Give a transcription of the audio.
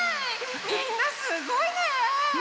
みんなすごいね！ね！